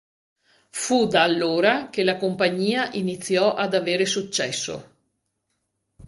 Fu da allora che la compagnia iniziò ad avere successo.